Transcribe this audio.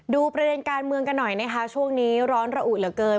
ดูประเด็นการเมืองกันหน่อยนะคะช่วงนี้ร้อนระอุเหลือเกิน